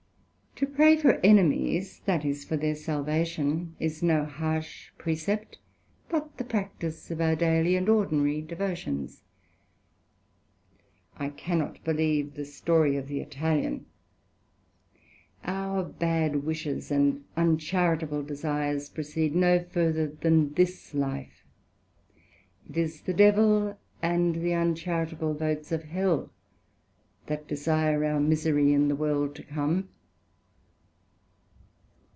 To pray for Enemies, that is, for their salvation, is no harsh precept, but the practice of our daily and ordinary devotions. I cannot believe the story of the Italian: our bad wishes and uncharitable desires proceed no further than this life; it is the Devil, and the uncharitable votes of Hell, that desire our misery in the World to come.